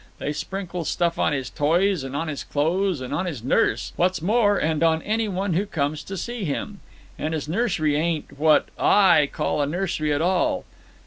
They sprinkle stuff on his toys and on his clothes and on his nurse; what's more, and on any one who comes to see him. And his nursery ain't what I call a nursery at all.